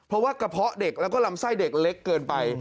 เพราะว่ากระเพาะเด็กแล้วก็ลำไส้เด็กเล็กเกินไป